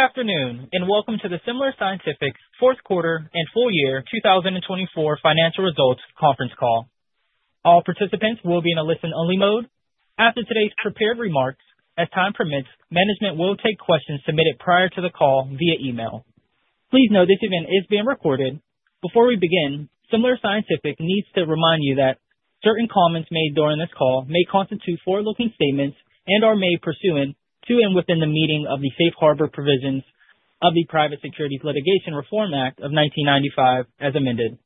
Good afternoon, and welcome to the Semler Scientific's fourth quarter and full year 2024 financial results conference call. All participants will be in a listen-only mode. After today's prepared remarks, as time permits, management will take questions submitted prior to the call via email. Please note this event is being recorded. Before we begin, Semler Scientific needs to remind you that certain comments made during this call may constitute forward-looking statements and are made pursuant to and within the meaning of the safe harbor provisions of the Private Securities Litigation Reform Act of 1995, as amended.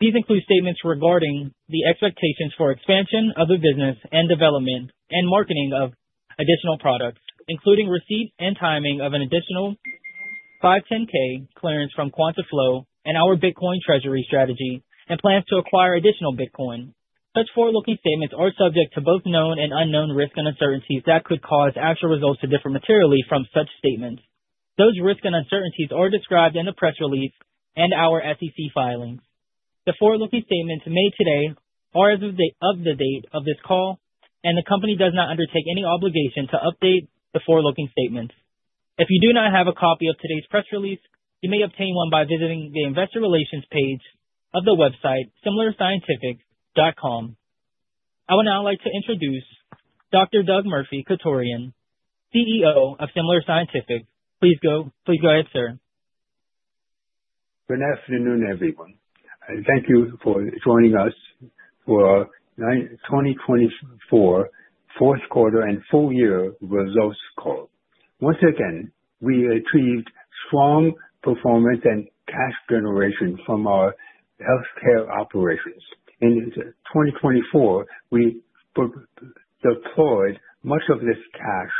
These include statements regarding the expectations for expansion of the business and development and marketing of additional products, including receipt and timing of an additional 510(k) clearance from QuantaFlo and our Bitcoin treasury strategy, and plans to acquire additional Bitcoin. Such forward-looking statements are subject to both known and unknown risk and uncertainties that could cause actual results to differ materially from such statements. Those risks and uncertainties are described in the press release and our SEC filings. The forward-looking statements made today are as of the date of this call, and the company does not undertake any obligation to update the forward-looking statements. If you do not have a copy of today's press release, you may obtain one by visiting the investor relations page of the website, SemlerScientific.com. I would now like to introduce Dr. Doug Murphy-Chutorian, CEO of Semler Scientific. Please go ahead, sir. Good afternoon, everyone. Thank you for joining us for 2024 fourth quarter and full year results call. Once again, we achieved strong performance and cash generation from our healthcare operations. In 2024, we deployed much of this cash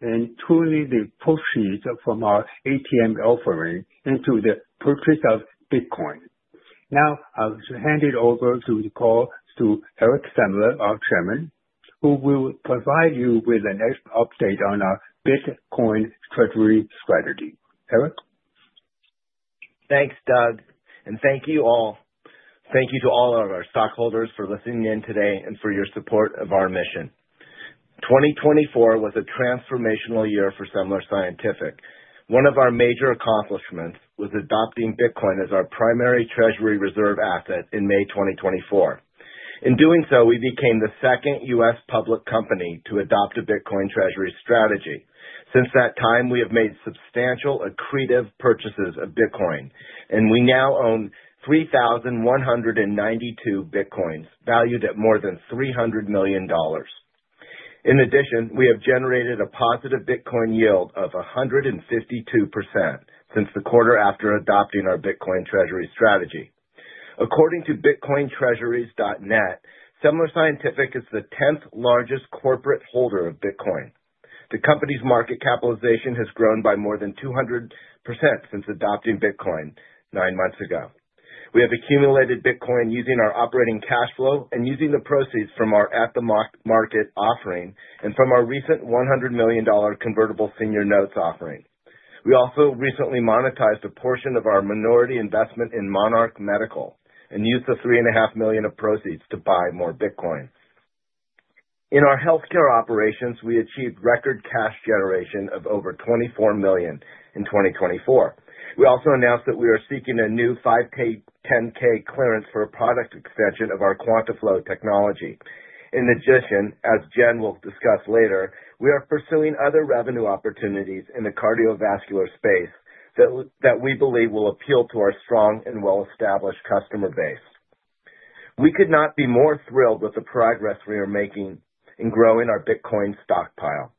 and truly the proceeds from our ATM offering into the purchase of Bitcoin. Now, I'll hand the call over to Eric Semler, our Chairman, who will provide you with an update on our Bitcoin treasury strategy. Eric? Thanks, Doug, and thank you all. Thank you to all of our stockholders for listening in today and for your support of our mission. 2024 was a transformational year for Semler Scientific. One of our major accomplishments was adopting Bitcoin as our primary treasury reserve asset in May 2024. In doing so, we became the second U.S. public company to adopt a Bitcoin treasury strategy. Since that time, we have made substantial accretive purchases of Bitcoin, and we now own 3,192 Bitcoins valued at more than $300 million. In addition, we have generated a positive Bitcoin yield of 152% since the quarter after adopting our Bitcoin treasury strategy. According to BitcoinTreasuries.net, Semler Scientific is the 10th largest corporate holder of Bitcoin. The company's market capitalization has grown by more than 200% since adopting Bitcoin nine months ago. We have accumulated Bitcoin using our operating cash flow and using the proceeds from our at-the-market offering and from our recent $100 million convertible senior notes offering. We also recently monetized a portion of our minority investment in Monarch Medical and used the $3.5 million of proceeds to buy more Bitcoin. In our healthcare operations, we achieved record cash generation of over $24 million in 2024. We also announced that we are seeking a new 510(k) clearance for a product extension of our QuantaFlo technology. In addition, as Jen will discuss later, we are pursuing other revenue opportunities in the cardiovascular space that we believe will appeal to our strong and well-established customer base. We could not be more thrilled with the progress we are making in growing our Bitcoin stockpile.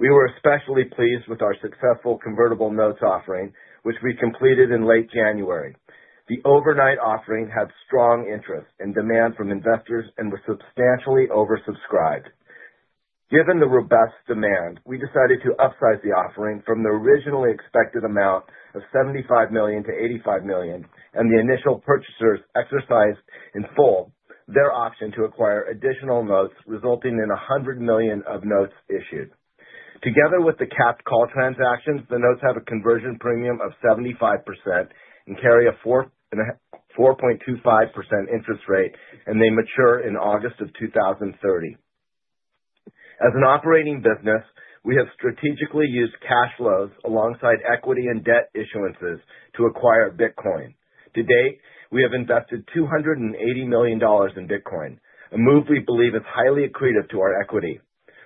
We were especially pleased with our successful convertible notes offering, which we completed in late January. The overnight offering had strong interest and demand from investors and was substantially oversubscribed. Given the robust demand, we decided to upsize the offering from the originally expected amount of $75 million to $85 million, and the initial purchasers exercised in full their option to acquire additional notes, resulting in $100 million of notes issued. Together with the capped call transactions, the notes have a conversion premium of 75% and carry a 4.25% interest rate, and they mature in August of 2030. As an operating business, we have strategically used cash flows alongside equity and debt issuances to acquire Bitcoin. To date, we have invested $280 million in Bitcoin, a move we believe is highly accretive to our equity.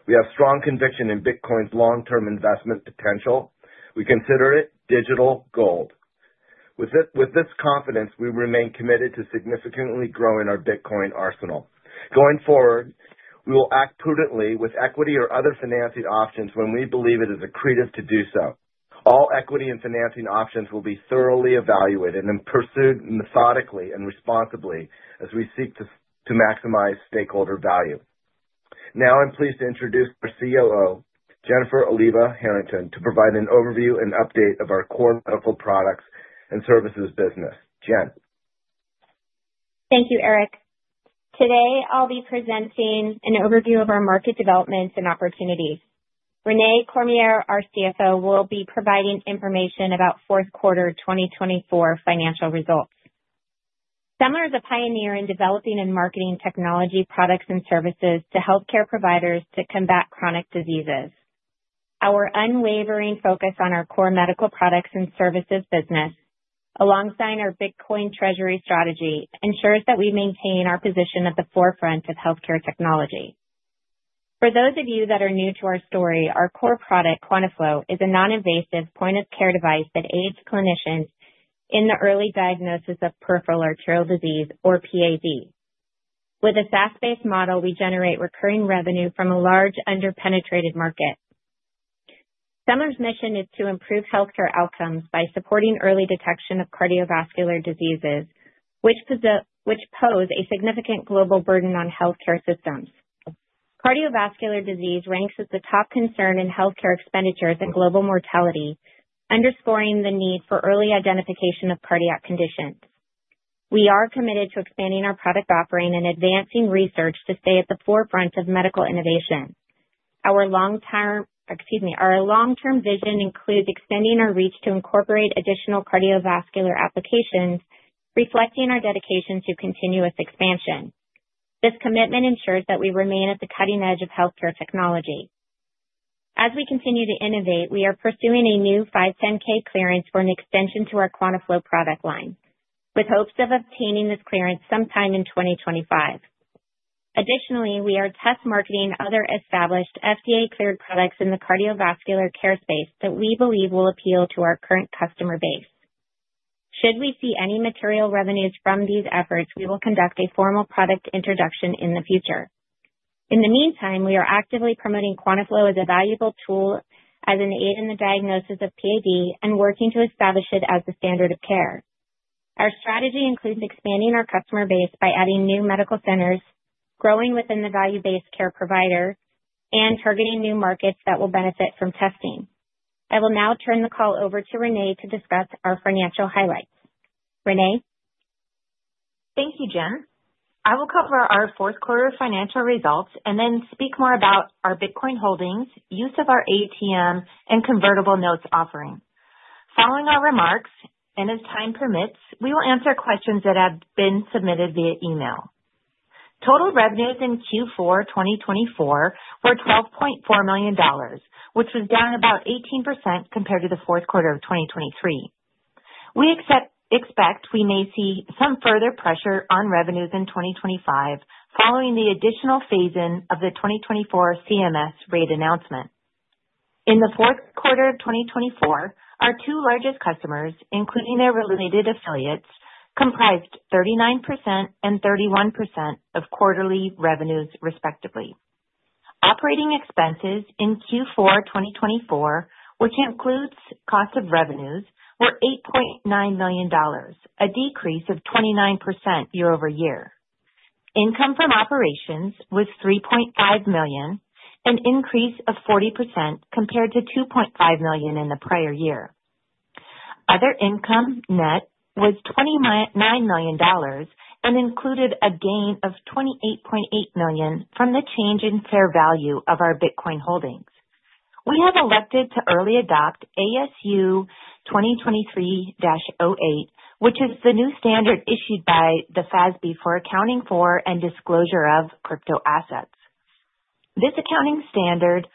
We have strong conviction in Bitcoin's long-term investment potential. We consider it digital gold. With this confidence, we remain committed to significantly growing our Bitcoin arsenal. Going forward, we will act prudently with equity or other financing options when we believe it is accretive to do so. All equity and financing options will be thoroughly evaluated and pursued methodically and responsibly as we seek to maximize stakeholder value. Now, I'm pleased to introduce our COO, Jennifer Oliva Harrington, to provide an overview and update of our core medical products and services business. Jen? Thank you, Eric. Today, I'll be presenting an overview of our market developments and opportunities. Renae Cormier, our CFO, will be providing information about fourth quarter 2024 financial results. Semler is a pioneer in developing and marketing technology products and services to healthcare providers to combat chronic diseases. Our unwavering focus on our core medical products and services business, alongside our Bitcoin treasury strategy, ensures that we maintain our position at the forefront of healthcare technology. For those of you that are new to our story, our core product, QuantaFlo, is a non-invasive point-of-care device that aids clinicians in the early diagnosis of peripheral arterial disease, or PAD. With a SaaS-based model, we generate recurring revenue from a large under-penetrated market. Semler's mission is to improve healthcare outcomes by supporting early detection of cardiovascular diseases, which pose a significant global burden on healthcare systems. Cardiovascular disease ranks as the top concern in healthcare expenditures and global mortality, underscoring the need for early identification of cardiac conditions. We are committed to expanding our product offering and advancing research to stay at the forefront of medical innovation. Our long-term vision includes extending our reach to incorporate additional cardiovascular applications, reflecting our dedication to continuous expansion. This commitment ensures that we remain at the cutting edge of healthcare technology. As we continue to innovate, we are pursuing a new 510(k) clearance for an extension to our QuantaFlo product line, with hopes of obtaining this clearance sometime in 2025. Additionally, we are test marketing other established FDA-cleared products in the cardiovascular care space that we believe will appeal to our current customer base. Should we see any material revenues from these efforts, we will conduct a formal product introduction in the future. In the meantime, we are actively promoting QuantaFlo as a valuable tool, as an aid in the diagnosis of PAD, and working to establish it as the standard of care. Our strategy includes expanding our customer base by adding new medical centers, growing within the value-based care provider, and targeting new markets that will benefit from testing. I will now turn the call over to Renae to discuss our financial highlights. Renae? Thank you, Jen. I will cover our fourth quarter financial results and then speak more about our Bitcoin holdings, use of our ATM, and convertible notes offering. Following our remarks, and as time permits, we will answer questions that have been submitted via email. Total revenues in Q4 2024 were $12.4 million, which was down about 18% compared to the fourth quarter of 2023. We expect we may see some further pressure on revenues in 2025 following the additional phase-in of the 2024 CMS rate announcement. In the fourth quarter of 2024, our two largest customers, including their related affiliates, comprised 39% and 31% of quarterly revenues, respectively. Operating expenses in Q4 2024, which includes cost of revenues, were $8.9 million, a decrease of 29% year over year. Income from operations was $3.5 million, an increase of 40% compared to $2.5 million in the prior year. Other income net was $29 million and included a gain of $28.8 million from the change in fair value of our Bitcoin holdings. We have elected to early adopt ASU 2023-08, which is the new standard issued by the FASB for accounting for and disclosure of crypto assets. This accounting standard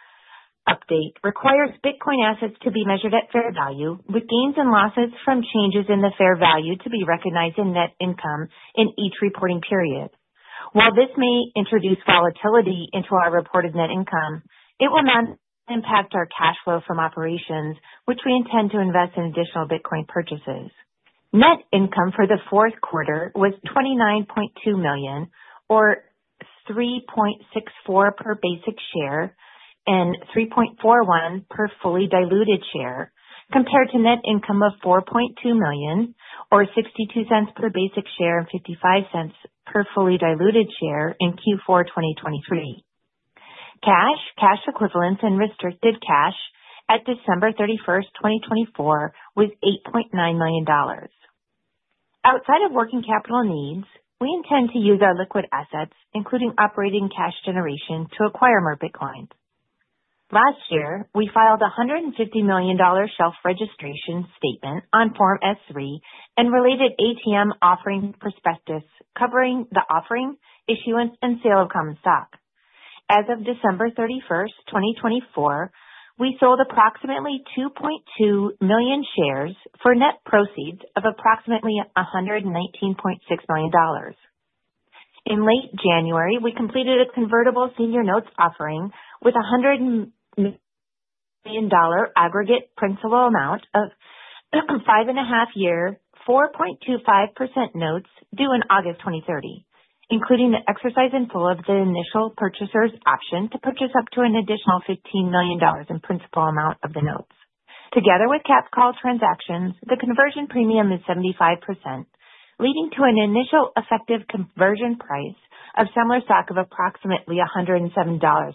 update requires Bitcoin assets to be measured at fair value, with gains and losses from changes in the fair value to be recognized in net income in each reporting period. While this may introduce volatility into our reported net income, it will not impact our cash flow from operations, which we intend to invest in additional Bitcoin purchases. Net income for the fourth quarter was $29.2 million, or $3.64 per basic share and $3.41 per fully diluted share, compared to net income of $4.2 million, or $0.62 per basic share and $0.55 per fully diluted share in Q4 2023. Cash, cash equivalents, and restricted cash at December 31, 2024, was $8.9 million. Outside of working capital needs, we intend to use our liquid assets, including operating cash generation, to acquire more Bitcoin. Last year, we filed a $150 million shelf registration statement on Form S-3 and related ATM offering prospectus covering the offering, issuance, and sale of common stock. As of December 31, 2024, we sold approximately 2.2 million shares for net proceeds of approximately $119.6 million. In late January, we completed a convertible senior notes offering with a $100 million aggregate principal amount of five-and-a-half-year 4.25% notes due in August 2030, including the exercise in full of the initial purchaser's option to purchase up to an additional $15 million in principal amount of the notes. Together with capped call transactions, the conversion premium is 75%, leading to an initial effective conversion price of Semler stock of approximately $107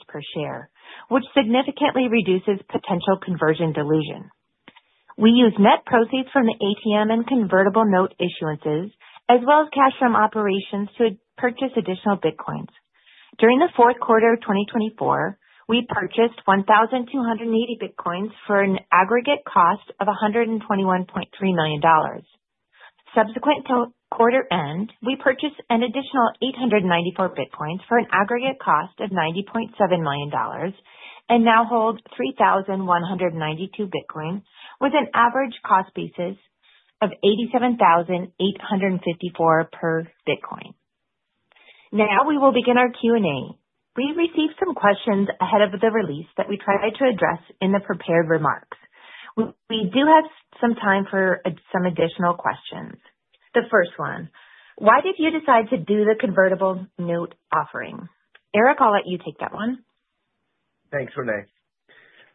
per share, which significantly reduces potential conversion dilution. We use net proceeds from the ATM and convertible note issuances, as well as cash from operations, to purchase additional Bitcoins. During the fourth quarter of 2024, we purchased 1,280 Bitcoins for an aggregate cost of $121.3 million. Subsequent to quarter end, we purchased an additional 894 Bitcoins for an aggregate cost of $90.7 million and now hold 3,192 Bitcoin with an average cost basis of $87,854 per Bitcoin. Now we will begin our Q&A. We received some questions ahead of the release that we try to address in the prepared remarks. We do have some time for some additional questions. The first one, why did you decide to do the convertible note offering? Eric, I'll let you take that one. Thanks, Renae.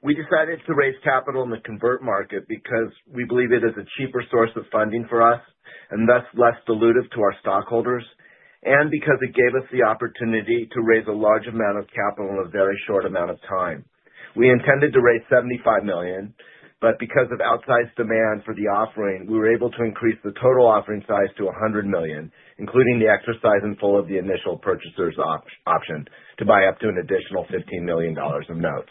We decided to raise capital in the convert market because we believe it is a cheaper source of funding for us and thus less dilutive to our stockholders, and because it gave us the opportunity to raise a large amount of capital in a very short amount of time. We intended to raise $75 million, but because of outsized demand for the offering, we were able to increase the total offering size to $100 million, including the exercise in full of the initial purchaser's option to buy up to an additional $15 million of notes.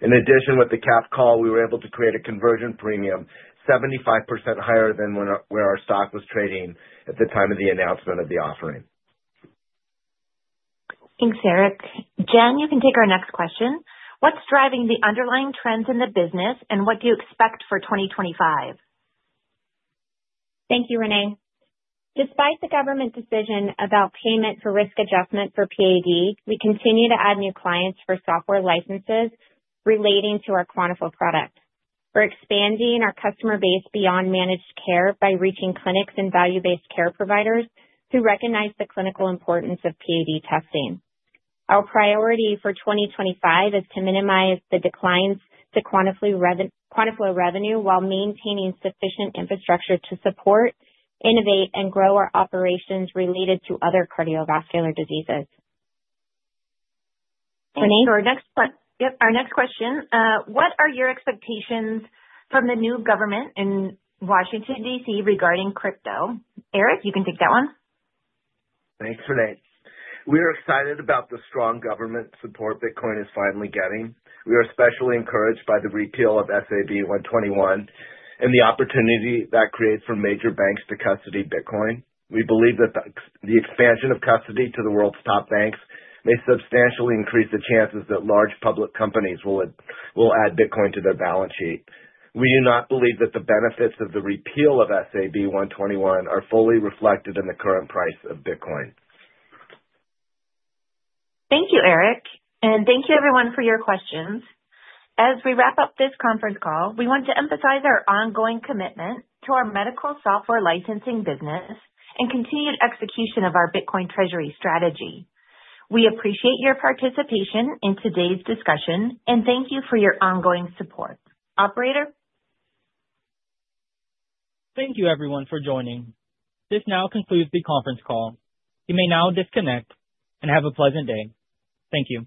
In addition, with the capped call, we were able to create a conversion premium 75% higher than where our stock was trading at the time of the announcement of the offering. Thanks, Eric. Jen, you can take our next question. What's driving the underlying trends in the business, and what do you expect for 2025? Thank you, Renae. Despite the government decision about payment for risk adjustment for PAD, we continue to add new clients for software licenses relating to our QuantaFlo product. We're expanding our customer base beyond managed care by reaching clinics and value-based care providers who recognize the clinical importance of PAD testing. Our priority for 2025 is to minimize the declines to QuantaFlo revenue while maintaining sufficient infrastructure to support, innovate, and grow our operations related to other cardiovascular diseases. Renae, our next question. What are your expectations from the new government in Washington, D.C., regarding crypto? Eric, you can take that one. Thanks, Renae. We are excited about the strong government support Bitcoin is finally getting. We are especially encouraged by the repeal of SAB 121 and the opportunity that creates for major banks to custody Bitcoin. We believe that the expansion of custody to the world's top banks may substantially increase the chances that large public companies will add Bitcoin to their balance sheet. We do not believe that the benefits of the repeal of SAB 121 are fully reflected in the current price of Bitcoin. Thank you, Eric, and thank you, everyone, for your questions. As we wrap up this conference call, we want to emphasize our ongoing commitment to our medical software licensing business and continued execution of our Bitcoin treasury strategy. We appreciate your participation in today's discussion and thank you for your ongoing support. Operator? Thank you, everyone, for joining. This now concludes the conference call. You may now disconnect and have a pleasant day. Thank you.